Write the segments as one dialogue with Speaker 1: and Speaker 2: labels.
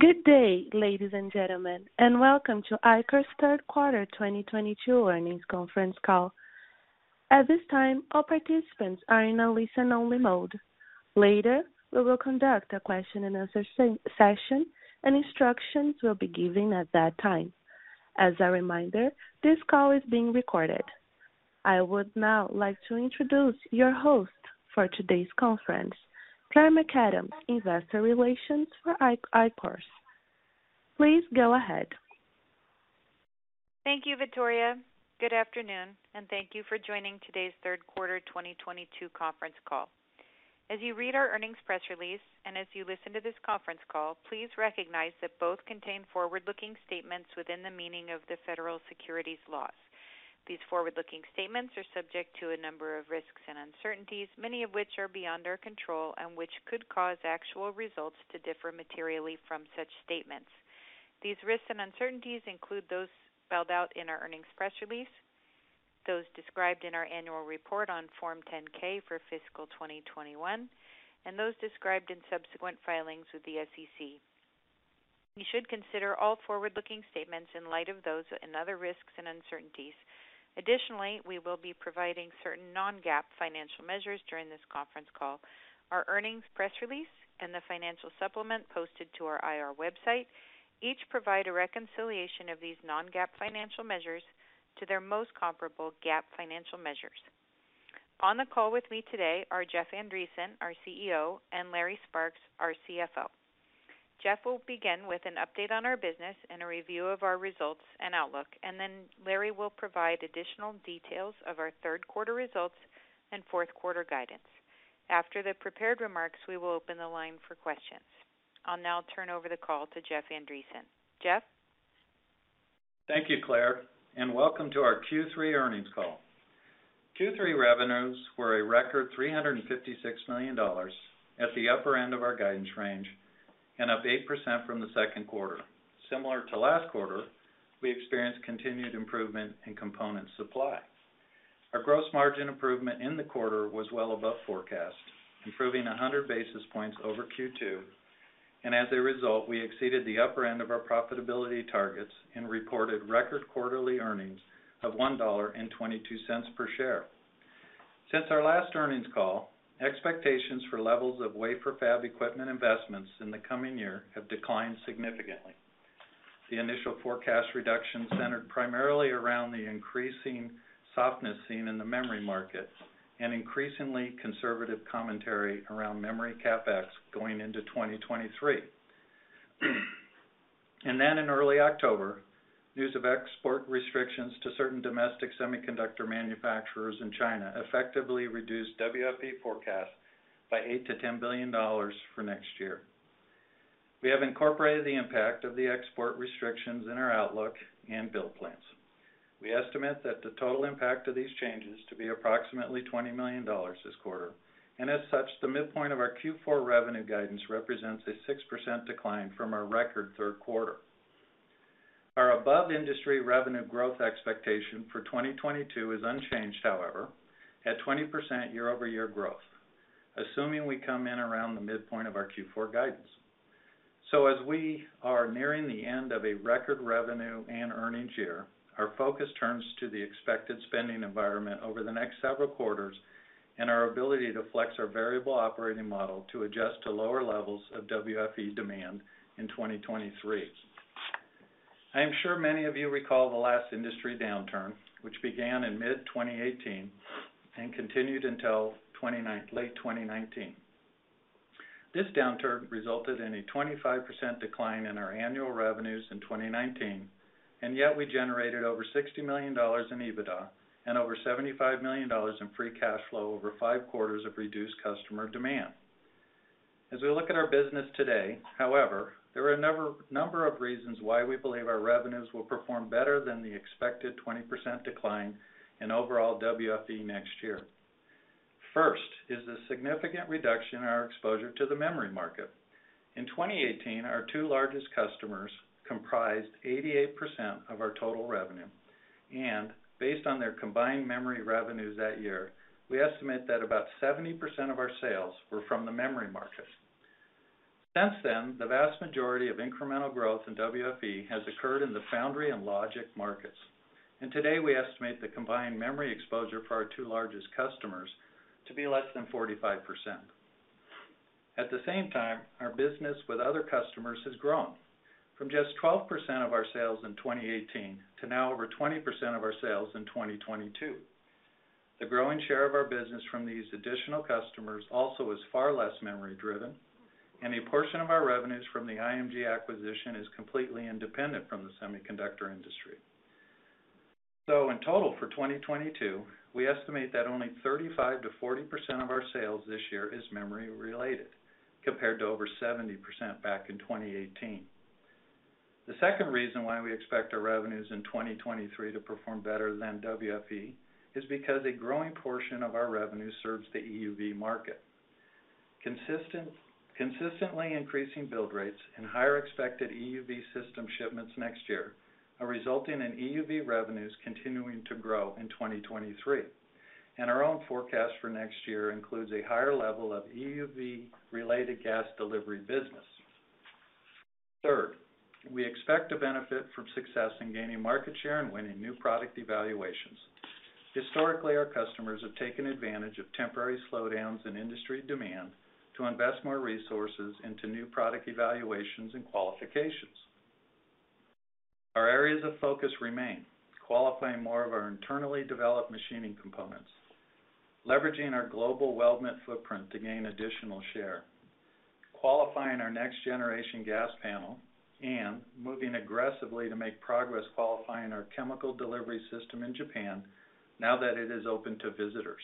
Speaker 1: Good day, ladies and gentlemen, and welcome to Ichor's third quarter 2022 earnings conference call. At this time, all participants are in a listen-only mode. Later, we will conduct a question and answer session, and instructions will be given at that time. As a reminder, this call is being recorded. I would now like to introduce your host for today's conference, Claire McAdams, Investor Relations for Ichor. Please go ahead.
Speaker 2: Thank you, Victoria. Good afternoon, and thank you for joining today's third quarter 2022 conference call. As you read our earnings press release, and as you listen to this conference call, please recognize that both contain forward-looking statements within the meaning of the federal securities laws. These forward-looking statements are subject to a number of risks and uncertainties, many of which are beyond our control, and which could cause actual results to differ materially from such statements. These risks and uncertainties include those spelled out in our earnings press release, those described in our annual report on Form 10-K for fiscal 2021, and those described in subsequent filings with the SEC. You should consider all forward-looking statements in light of those and other risks and uncertainties. Additionally, we will be providing certain non-GAAP financial measures during this conference call. Our earnings press release and the financial supplement posted to our IR website each provide a reconciliation of these non-GAAP financial measures to their most comparable GAAP financial measures. On the call with me today are Jeff Andresen, our CEO, and Larry Sparks, our CFO. Jeff will begin with an update on our business and a review of our results and outlook, then Larry will provide additional details of our third quarter results and fourth quarter guidance. After the prepared remarks, we will open the line for questions. I'll now turn over the call to Jeff Andresen. Jeff?
Speaker 3: Thank you, Claire, welcome to our Q3 earnings call. Q3 revenues were a record $356 million at the upper end of our guidance range and up 8% from the second quarter. Similar to last quarter, we experienced continued improvement in component supply. Our gross margin improvement in the quarter was well above forecast, improving 100 basis points over Q2. As a result, we exceeded the upper end of our profitability targets and reported record quarterly earnings of $1.22 per share. Since our last earnings call, expectations for levels of wafer fab equipment investments in the coming year have declined significantly. The initial forecast reduction centered primarily around the increasing softness seen in the memory market and increasingly conservative commentary around memory CapEx going into 2023. In early October, news of export restrictions to certain domestic semiconductor manufacturers in China effectively reduced WFE forecasts by $8 billion-$10 billion for next year. We have incorporated the impact of the export restrictions in our outlook and build plans. We estimate that the total impact of these changes to be approximately $20 million this quarter, and as such, the midpoint of our Q4 revenue guidance represents a 6% decline from our record third quarter. Our above-industry revenue growth expectation for 2022 is unchanged, however, at 20% year-over-year growth, assuming we come in around the midpoint of our Q4 guidance. As we are nearing the end of a record revenue and earnings year, our focus turns to the expected spending environment over the next several quarters and our ability to flex our variable operating model to adjust to lower levels of WFE demand in 2023. I am sure many of you recall the last industry downturn, which began in mid-2018 and continued until late 2019. This downturn resulted in a 25% decline in our annual revenues in 2019, yet we generated over $60 million in EBITDA and over $75 million in free cash flow over five quarters of reduced customer demand. As we look at our business today, however, there are a number of reasons why we believe our revenues will perform better than the expected 20% decline in overall WFE next year. First is the significant reduction in our exposure to the memory market. In 2018, our two largest customers comprised 88% of our total revenue, and based on their combined memory revenues that year, we estimate that about 70% of our sales were from the memory market. Since then, the vast majority of incremental growth in WFE has occurred in the foundry and logic markets, and today, we estimate the combined memory exposure for our two largest customers to be less than 45%. At the same time, our business with other customers has grown from just 12% of our sales in 2018 to now over 20% of our sales in 2022. The growing share of our business from these additional customers also is far less memory-driven, and a portion of our revenues from the IMG acquisition is completely independent from the semiconductor industry. In total for 2022, we estimate that only 35%-40% of our sales this year is memory-related, compared to over 70% back in 2018. The second reason why we expect our revenues in 2023 to perform better than WFE is because a growing portion of our revenue serves the EUV market. Consistently increasing build rates and higher expected EUV system shipments next year are resulting in EUV revenues continuing to grow in 2023. Our own forecast for next year includes a higher level of EUV-related gas delivery business. Third, we expect to benefit from success in gaining market share and winning new product evaluations. Historically, our customers have taken advantage of temporary slowdowns in industry demand to invest more resources into new product evaluations and qualifications. Our areas of focus remain: qualifying more of our internally developed machining components, leveraging our global Weldment footprint to gain additional share, qualifying our next-generation gas panel, and moving aggressively to make progress qualifying our chemical delivery system in Japan now that it is open to visitors.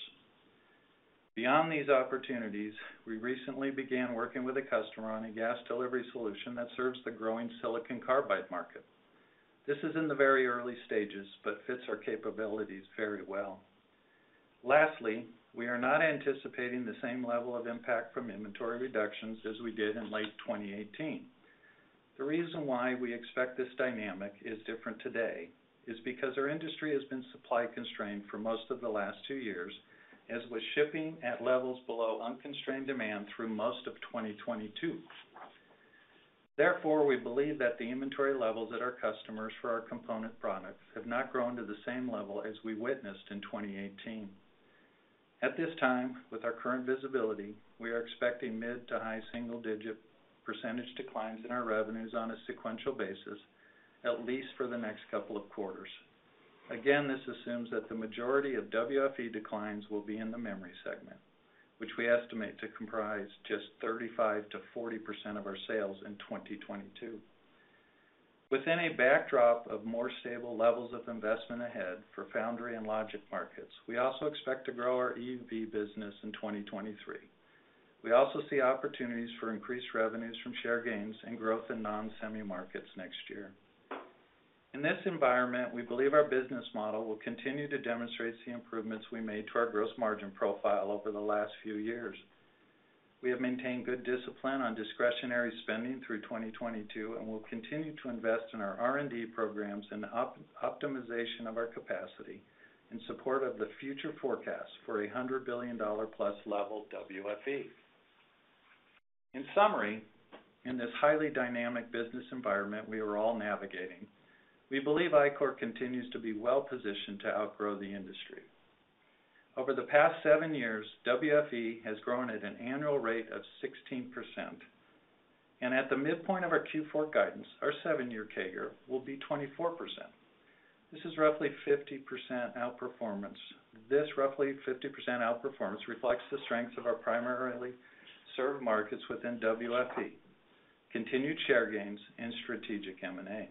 Speaker 3: Beyond these opportunities, we recently began working with a customer on a gas delivery solution that serves the growing silicon carbide market. This is in the very early stages but fits our capabilities very well. Lastly, we are not anticipating the same level of impact from inventory reductions as we did in late 2018. The reason why we expect this dynamic is different today is because our industry has been supply-constrained for most of the last two years, and was shipping at levels below unconstrained demand through most of 2022. Therefore, we believe that the inventory levels at our customers for our component products have not grown to the same level as we witnessed in 2018. At this time, with our current visibility, we are expecting mid to high single-digit % declines in our revenues on a sequential basis, at least for the next couple of quarters. This assumes that the majority of WFE declines will be in the memory segment, which we estimate to comprise just 35%-40% of our sales in 2022. Within a backdrop of more stable levels of investment ahead for foundry and logic markets, we also expect to grow our EUV business in 2023. We also see opportunities for increased revenues from share gains and growth in non-semi markets next year. In this environment, we believe our business model will continue to demonstrate the improvements we made to our gross margin profile over the last few years. We have maintained good discipline on discretionary spending through 2022. We will continue to invest in our R&D programs and optimization of our capacity in support of the future forecast for a $100 billion-plus level WFE. In summary, in this highly dynamic business environment we are all navigating, we believe Ichor continues to be well-positioned to outgrow the industry. Over the past seven years, WFE has grown at an annual rate of 16%. At the midpoint of our Q4 guidance, our seven-year CAGR will be 24%. This roughly 50% outperformance reflects the strengths of our primarily served markets within WFE, continued share gains, and strategic M&A.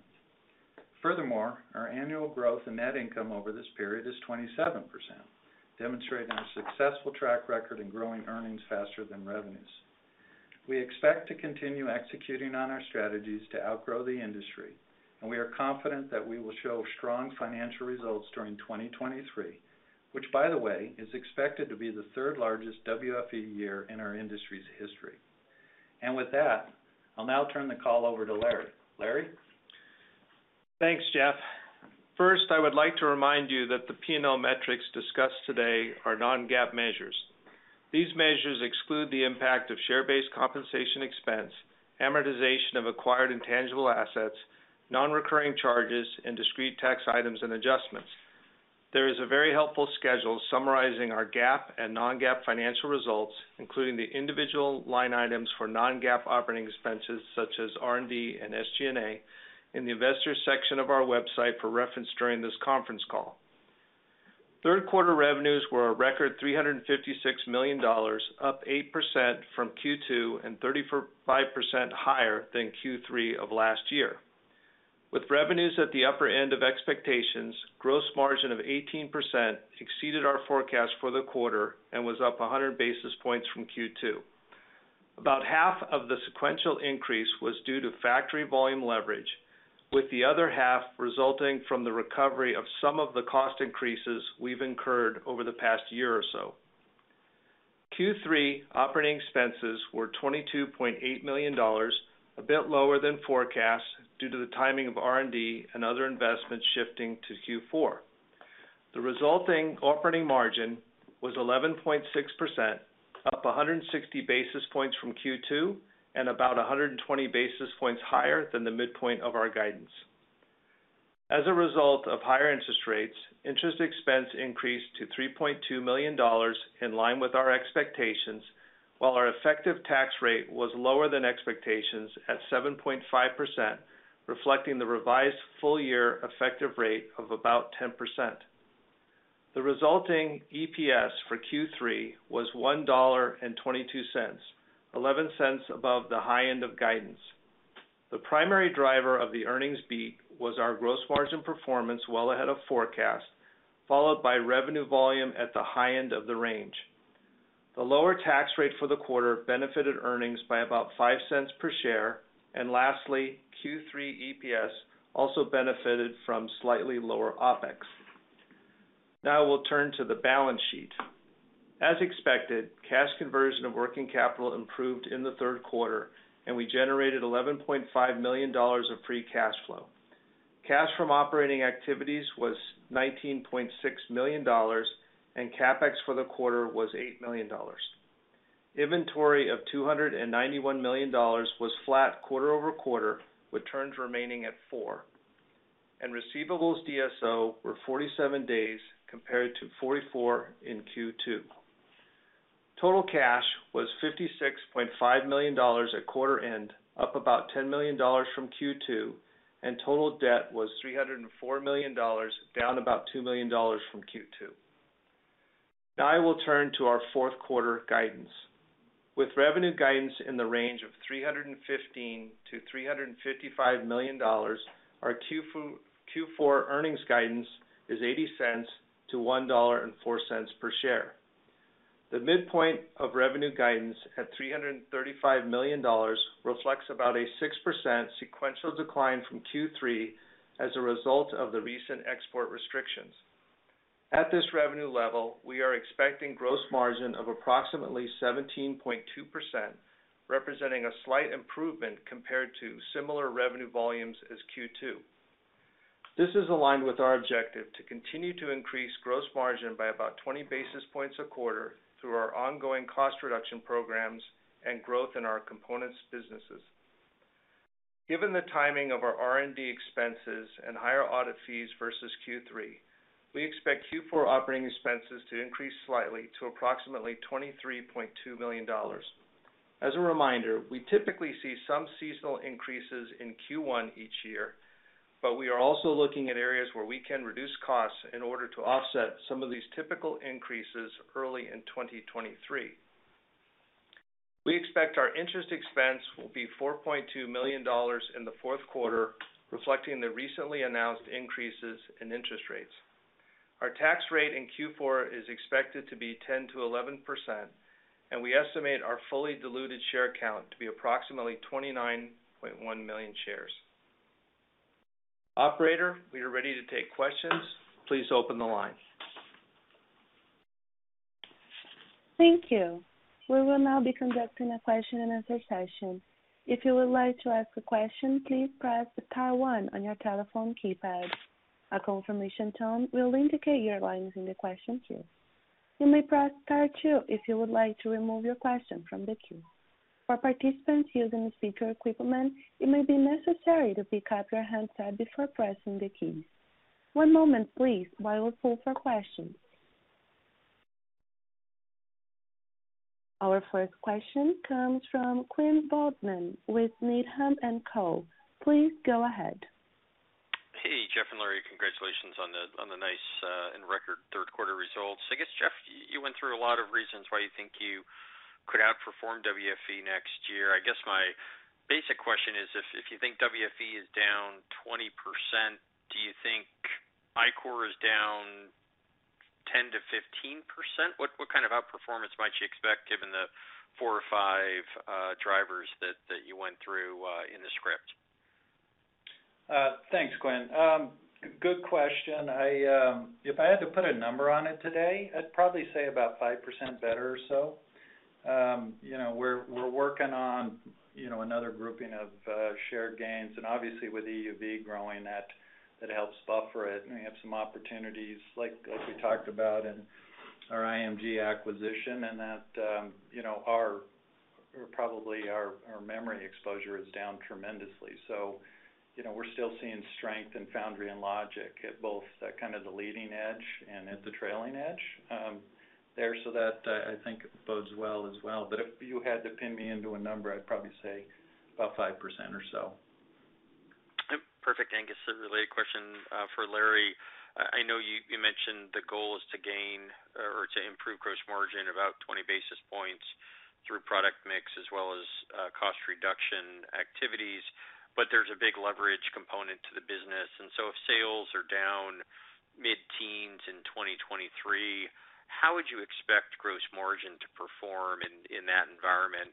Speaker 3: Furthermore, our annual growth in net income over this period is 27%, demonstrating a successful track record in growing earnings faster than revenues. We expect to continue executing on our strategies to outgrow the industry. We are confident that we will show strong financial results during 2023, which by the way, is expected to be the third-largest WFE year in our industry's history. With that, I'll now turn the call over to Larry. Larry?
Speaker 4: Thanks, Jeff. First, I would like to remind you that the P&L metrics discussed today are non-GAAP measures. These measures exclude the impact of share-based compensation expense, amortization of acquired intangible assets, non-recurring charges, and discrete tax items and adjustments. There is a very helpful schedule summarizing our GAAP and non-GAAP financial results, including the individual line items for non-GAAP operating expenses such as R&D and SG&A, in the Investors section of our website for reference during this conference call. Third quarter revenues were a record $356 million, up 8% from Q2 and 35% higher than Q3 of last year. With revenues at the upper end of expectations, gross margin of 18% exceeded our forecast for the quarter and was up 100 basis points from Q2. About half of the sequential increase was due to factory volume leverage, with the other half resulting from the recovery of some of the cost increases we've incurred over the past year or so. Q3 operating expenses were $22.8 million, a bit lower than forecast due to the timing of R&D and other investments shifting to Q4. The resulting operating margin was 11.6%, up 160 basis points from Q2 and about 120 basis points higher than the midpoint of our guidance. As a result of higher interest rates, interest expense increased to $3.2 million, in line with our expectations, while our effective tax rate was lower than expectations at 7.5%, reflecting the revised full-year effective rate of about 10%. The resulting EPS for Q3 was $1.22, $0.11 above the high end of guidance. The primary driver of the earnings beat was our gross margin performance well ahead of forecast, followed by revenue volume at the high end of the range. The lower tax rate for the quarter benefited earnings by about $0.05 per share. Lastly, Q3 EPS also benefited from slightly lower OpEx. Now we'll turn to the balance sheet. As expected, cash conversion of working capital improved in the third quarter, and we generated $11.5 million of free cash flow. Cash from operating activities was $19.6 million, and CapEx for the quarter was $8 million. Inventory of $291 million was flat quarter-over-quarter, with turns remaining at four, and receivables DSO were 47 days compared to 44 in Q2. Total cash was $56.5 million at quarter end, up about $10 million from Q2, and total debt was $304 million, down about $2 million from Q2. I will turn to our fourth quarter guidance. With revenue guidance in the range of $315 million-$355 million, our Q4 earnings guidance is $0.80-$1.04 per share. The midpoint of revenue guidance at $335 million reflects about a 6% sequential decline from Q3 as a result of the recent export restrictions. At this revenue level, we are expecting gross margin of approximately 17.2%, representing a slight improvement compared to similar revenue volumes as Q2. This is aligned with our objective to continue to increase gross margin by about 20 basis points a quarter through our ongoing cost reduction programs and growth in our components businesses. Given the timing of our R&D expenses and higher audit fees versus Q3, we expect Q4 operating expenses to increase slightly to approximately $23.2 million. As a reminder, we typically see some seasonal increases in Q1 each year, but we are also looking at areas where we can reduce costs in order to offset some of these typical increases early in 2023. We expect our interest expense will be $4.2 million in the fourth quarter, reflecting the recently announced increases in interest rates. Our tax rate in Q4 is expected to be 10%-11%, and we estimate our fully diluted share count to be approximately 29.1 million shares. Operator, we are ready to take questions. Please open the line.
Speaker 1: Thank you. We will now be conducting a question and answer session. If you would like to ask a question, please press star one on your telephone keypad. A confirmation tone will indicate your line is in the question queue. You may press star two if you would like to remove your question from the queue. For participants using a speaker equipment, it may be necessary to pick up your handset before pressing the keys. One moment, please, while we pull for questions. Our first question comes from Quinn Bolton with Needham & Company. Please go ahead.
Speaker 5: Hey, Jeff and Larry, congratulations on the nice and record third quarter results. I guess, Jeff, you went through a lot of reasons why you think you could outperform WFE next year. I guess my basic question is, if you think WFE is down 20%, do you think Ichor is down 10%-15%? What kind of outperformance might you expect given the four or five drivers that you went through in the script?
Speaker 3: Thanks, Quinn. Good question. If I had to put a number on it today, I'd probably say about 5% better or so. We're working on another grouping of shared gains, and obviously with EUV growing, that helps buffer it, and we have some opportunities like we talked about in our IMG acquisition and that probably our memory exposure is down tremendously. We're still seeing strength in foundry and logic at both kind of the leading edge and at the trailing edge there. That I think bodes well as well. If you had to pin me into a number, I'd probably say about 5% or so.
Speaker 5: Perfect. I guess a related question for Larry. I know you mentioned the goal is to gain or to improve gross margin about 20 basis points through product mix as well as cost reduction activities, but there's a big leverage component to the business. If sales are down mid-teens in 2023, how would you expect gross margin to perform in that environment?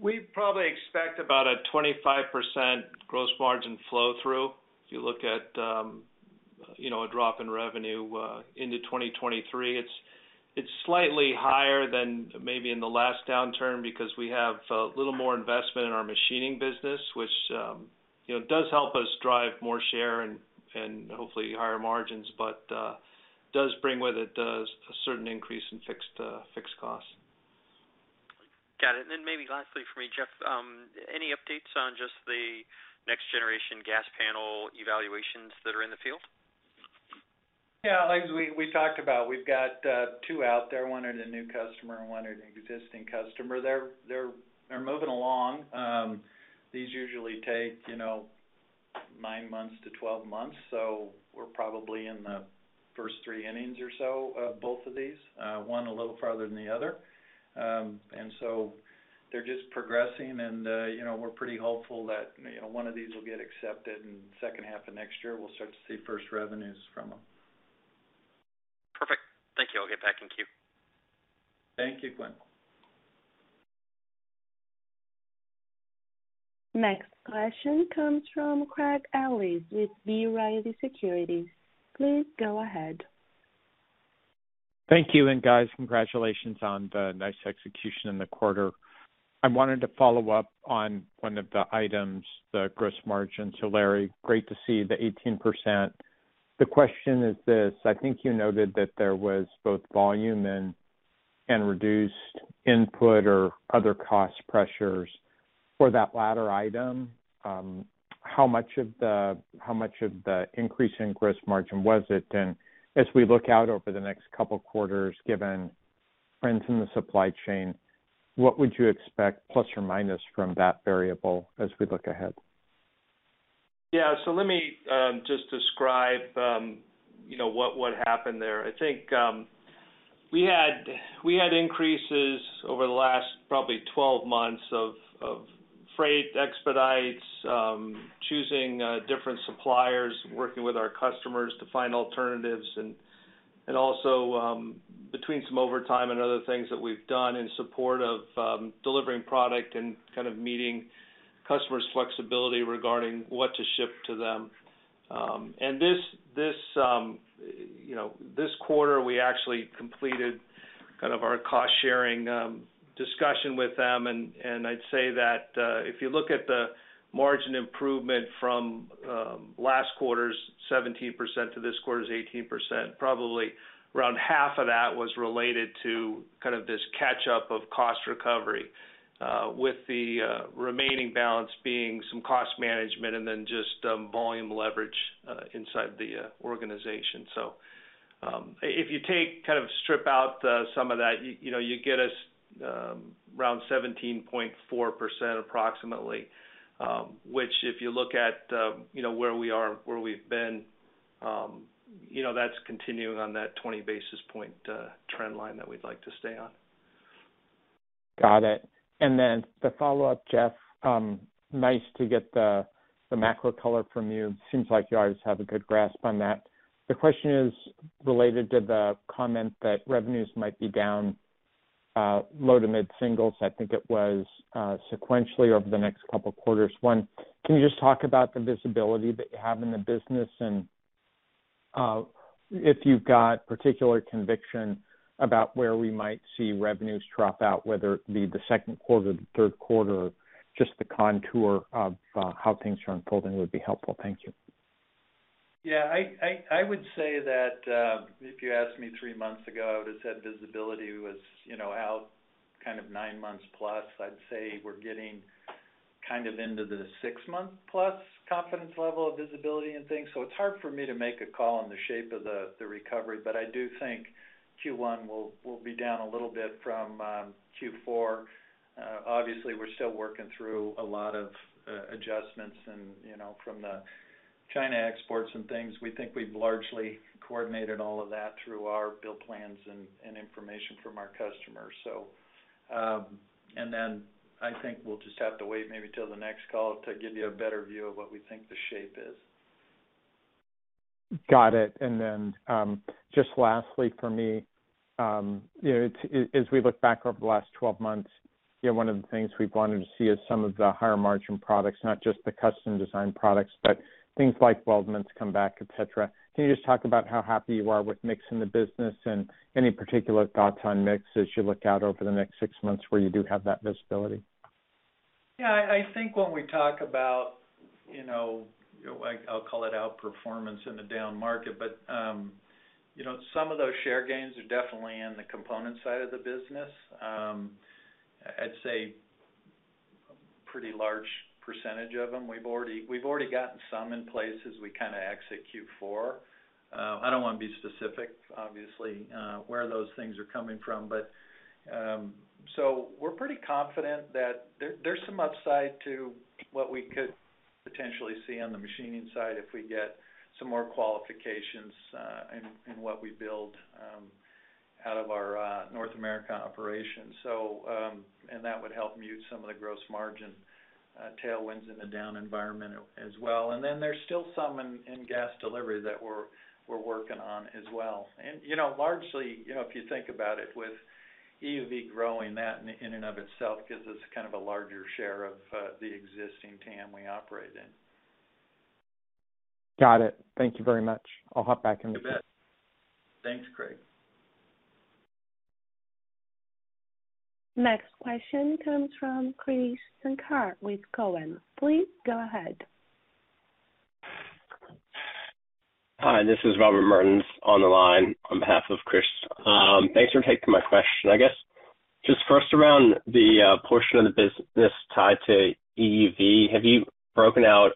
Speaker 4: We probably expect about a 25% gross margin flow through. If you look at a drop in revenue into 2023, it is slightly higher than maybe in the last downturn because we have a little more investment in our machining business, which does help us drive more share and hopefully higher margins, but does bring with it a certain increase in fixed costs.
Speaker 5: Got it. Maybe lastly from me, Jeff, any updates on just the next generation gas panel evaluations that are in the field?
Speaker 3: Yeah, as we talked about, we have got two out there. One at a new customer and one at an existing customer. They are moving along. These usually take nine months to 12 months, so we are probably in the first three innings or so of both of these, one a little farther than the other. They are just progressing, and we are pretty hopeful that one of these will get accepted, and second half of next year, we will start to see first revenues from them.
Speaker 5: Perfect. Thank you. I will get back in queue.
Speaker 3: Thank you, Quinn.
Speaker 1: Next question comes from Craig Ellis with B. Riley Securities. Please go ahead.
Speaker 6: Thank you, guys, congratulations on the nice execution in the quarter. I wanted to follow up on one of the items, the gross margin. Larry, great to see the 18%. The question is this, I think you noted that there was both volume and reduced input or other cost pressures for that latter item. How much of the increase in gross margin was it? And as we look out over the next couple quarters, given trends in the supply chain, what would you expect, plus or minus from that variable as we look ahead?
Speaker 4: Yeah. Let me just describe what happened there. I think we had increases over the last probably 12 months of freight expedites, choosing different suppliers, working with our customers to find alternatives, also between some overtime and other things that we've done in support of delivering product and kind of meeting customers' flexibility regarding what to ship to them. This quarter, we actually completed our cost-sharing discussion with them, I'd say that if you look at the margin improvement from last quarter's 17% to this quarter's 18%, probably around half of that was related to kind of this catch-up of cost recovery. With the remaining balance being some cost management and then just volume leverage inside the organization. If you strip out some of that, you get us around 17.4% approximately. Which if you look at where we are and where we've been, that's continuing on that 20 basis point trend line that we'd like to stay on.
Speaker 6: Got it. Then the follow-up, Jeff, nice to get the macro color from you. Seems like you always have a good grasp on that. The question is related to the comment that revenues might be down low to mid-singles, I think it was sequentially over the next couple quarters. One, can you just talk about the visibility that you have in the business, and if you've got particular conviction about where we might see revenues drop out, whether it be the second quarter, the third quarter, just the contour of how things are unfolding would be helpful. Thank you.
Speaker 3: Yeah, I would say that if you asked me three months ago, I would've said visibility was out kind of nine months plus. I'd say we're getting kind of into the six-month-plus confidence level of visibility and things. It's hard for me to make a call on the shape of the recovery. I do think Q1 will be down a little bit from Q4. Obviously, we're still working through a lot of adjustments from the China exports and things. We think we've largely coordinated all of that through our build plans and information from our customers. Then I think we'll just have to wait maybe till the next call to give you a better view of what we think the shape is.
Speaker 6: Got it. Then just lastly from me, as we look back over the last 12 months, one of the things we've wanted to see is some of the higher margin products, not just the custom design products, but things like weldments come back, et cetera. Can you just talk about how happy you are with mixing the business and any particular thoughts on mix as you look out over the next six months where you do have that visibility?
Speaker 3: Yeah, I think when we talk about, I'll call it outperformance in the down market, some of those share gains are definitely in the component side of the business. I'd say a pretty large percentage of them. We've already gotten some in place as we kind of exit Q4. I don't want to be specific, obviously, where those things are coming from. We're pretty confident that there's some upside to what we could potentially see on the machining side if we get some more qualifications in what we build out of our North America operations. That would help mute some of the gross margin tailwinds in the down environment as well. There's still some in gas delivery that we're working on as well. Largely, if you think about it, with EUV growing, that in and of itself gives us kind of a larger share of the existing TAM we operate in.
Speaker 6: Got it. Thank you very much. I'll hop back in the queue.
Speaker 3: You bet. Thanks, Craig.
Speaker 1: Next question comes from Krish Sankar with Cowen. Please go ahead.
Speaker 7: Hi, this is Robert Mertens on the line on behalf of Krish. Thanks for taking my question. I guess, just first around the portion of the business tied to EUV, have you broken out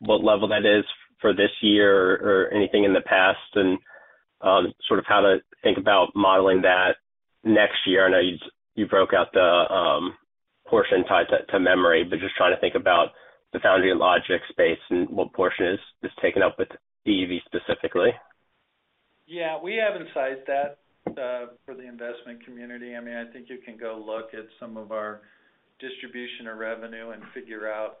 Speaker 7: what level that is for this year or anything in the past, and sort of how to think about modeling that next year? I know you broke out the portion tied to memory, but just trying to think about the foundry and logic space and what portion is taken up with EUV specifically.
Speaker 3: Yeah, we haven't sized that for the investment community. I think you can go look at some of our distribution of revenue and figure out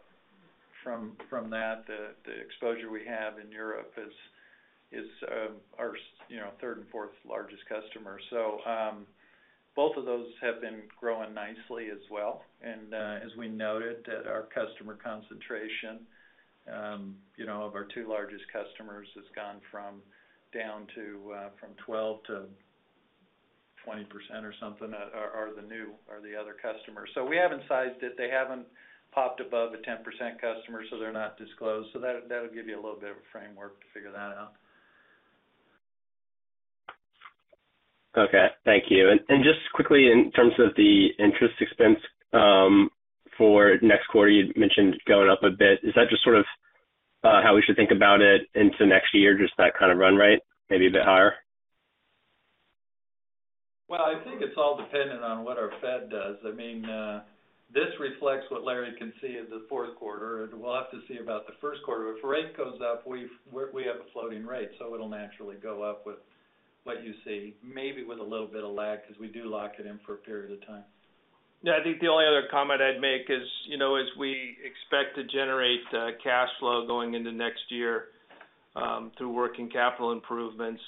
Speaker 3: From that, the exposure we have in Europe is our third and fourth largest customer. Both of those have been growing nicely as well. As we noted, that our customer concentration of our two largest customers has gone down from 12%-20% or something, are the other customers. We haven't sized it. They haven't popped above a 10% customer, so they're not disclosed. That'll give you a little bit of a framework to figure that out.
Speaker 7: Okay, thank you. Just quickly in terms of the interest expense for next quarter, you mentioned going up a bit. Is that just sort of how we should think about it into next year, just that kind of run rate, maybe a bit higher?
Speaker 3: Well, I think it's all dependent on what our Fed does. This reflects what Larry can see as the fourth quarter, and we'll have to see about the first quarter. If rate goes up, we have a floating rate, it'll naturally go up with what you see. Maybe with a little bit of lag, because we do lock it in for a period of time.
Speaker 4: Yeah, I think the only other comment I'd make is, as we expect to generate cash flow going into next year through working capital improvements,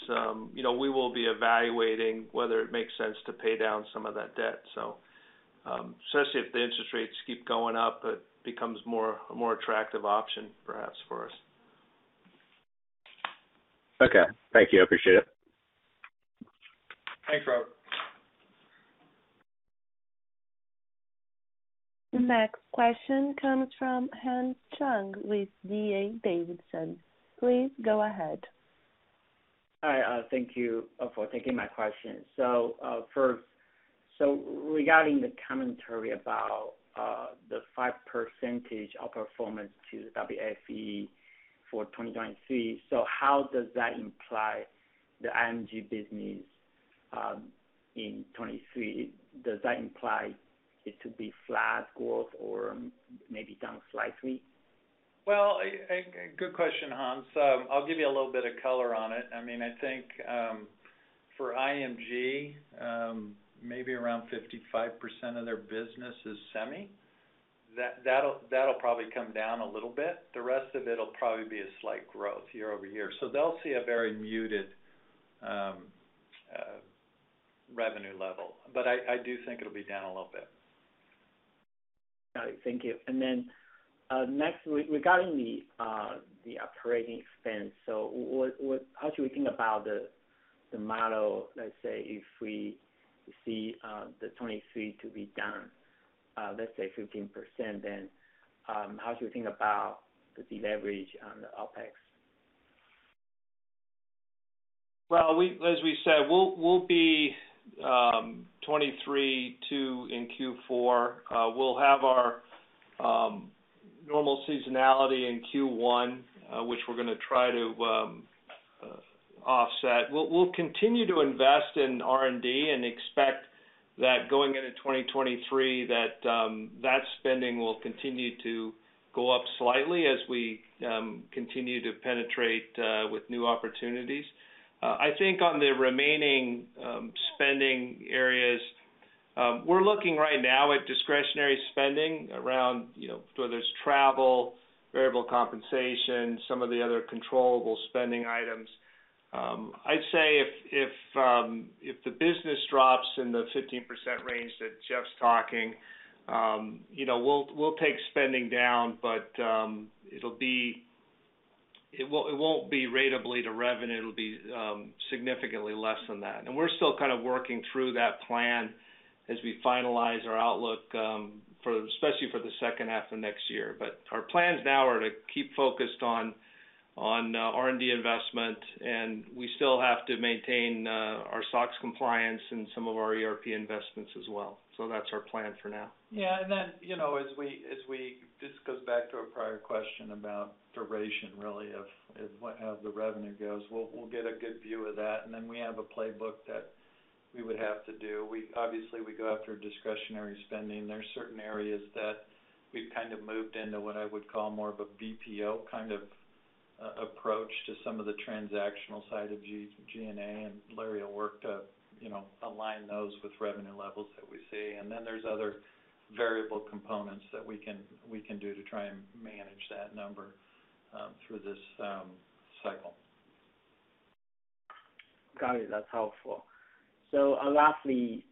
Speaker 4: we will be evaluating whether it makes sense to pay down some of that debt. Especially if the interest rates keep going up, it becomes a more attractive option perhaps for us.
Speaker 7: Okay, thank you. I appreciate it.
Speaker 3: Thanks, Robert.
Speaker 1: The next question comes from Hans Chung with D.A. Davidson. Please go ahead.
Speaker 8: Hi. Thank you for taking my question. Regarding the commentary about the 5% outperformance to the WFE for 2023, how does that imply the IMG business in 2023? Does that imply it to be flat growth or maybe down slightly?
Speaker 3: Well, good question, Hans. I'll give you a little bit of color on it. I think for IMG, maybe around 55% of their business is semi. That'll probably come down a little bit. The rest of it'll probably be a slight growth year-over-year. They'll see a very muted revenue level. I do think it'll be down a little bit.
Speaker 8: Got it. Thank you. Next, regarding the operating expense, how should we think about the model, let's say if we see the 2023 to be down, let's say 15%, how do you think about the deleverage on the OpEx?
Speaker 4: As we said, we'll be $23.2 million in Q4. We'll have our normal seasonality in Q1, which we're going to try to offset. We'll continue to invest in R&D and expect that going into 2023, that spending will continue to go up slightly as we continue to penetrate with new opportunities. On the remaining spending areas, we're looking right now at discretionary spending around whether it's travel, variable compensation, some of the other controllable spending items. I'd say if the business drops in the 15% range that Jeff's talking, we'll take spending down, but it won't be ratably to revenue, it'll be significantly less than that. We're still kind of working through that plan as we finalize our outlook, especially for the second half of next year. Our plans now are to keep focused on R&D investment, and we still have to maintain our SOX compliance and some of our ERP investments as well. That's our plan for now.
Speaker 3: This goes back to a prior question about duration of how the revenue goes. We'll get a good view of that, and then we have a playbook that we would have to do. We go after discretionary spending. There are certain areas that we've kind of moved into what I would call more of a BPO kind of approach to some of the transactional side of G&A, and Larry will work to align those with revenue levels that we see. There's other variable components that we can do to try and manage that number through this cycle.
Speaker 8: Got it. That's helpful. Lastly,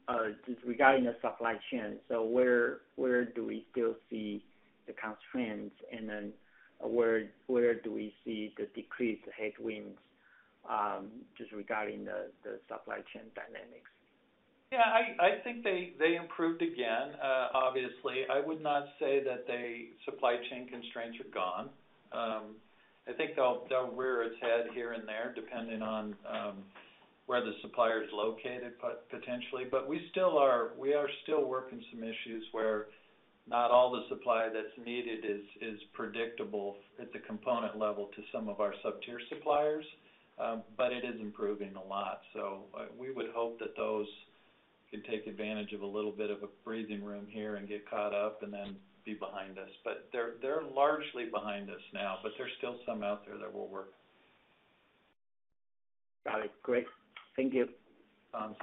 Speaker 8: just regarding the supply chain, where do we still see the constraints and then where do we see the decreased headwinds, just regarding the supply chain dynamics?
Speaker 3: Yeah, I think they improved again. Obviously, I would not say that the supply chain constraints are gone. I think they'll rear its head here and there, depending on where the supplier's located, potentially. We are still working some issues where not all the supply that's needed is predictable at the component level to some of our sub-tier suppliers. It is improving a lot. We would hope that those could take advantage of a little bit of a breathing room here and get caught up and then be behind us. They're largely behind us now, but there's still some out there that we'll work.
Speaker 8: Got it. Great. Thank you.
Speaker 3: Hans.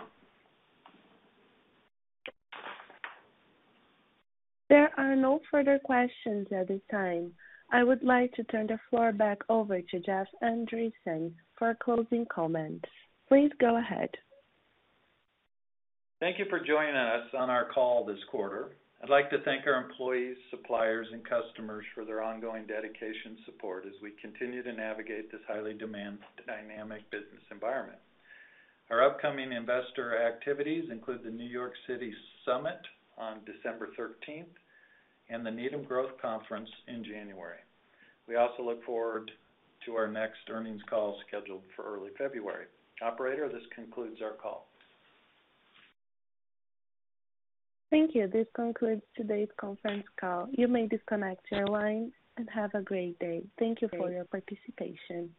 Speaker 1: There are no further questions at this time. I would like to turn the floor back over to Jeff Andresen for closing comments. Please go ahead.
Speaker 3: Thank you for joining us on our call this quarter. I'd like to thank our employees, suppliers, and customers for their ongoing dedication and support as we continue to navigate this highly dynamic business environment. Our upcoming investor activities include the New York City Summit on December 13th and the Needham Growth Conference in January. We also look forward to our next earnings call scheduled for early February. Operator, this concludes our call.
Speaker 1: Thank you. This concludes today's conference call. You may disconnect your line, and have a great day. Thank you for your participation.